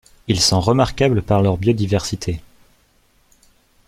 Ils sont remarquables par leur biodiversité.